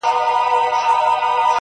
شاعر باید درباري نه وي,